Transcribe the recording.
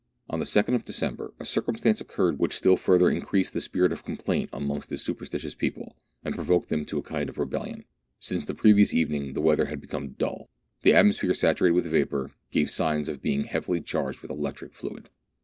On the 2nd of December a circumstance occurred which still further increased the spirit of complaint amongst this superstitious people, and provoked them to a kind of rebel lion. Since the previous evening the weather had become dull. The atmosphere, saturated with vapour, gave signs of being heavily charged with electric fluid.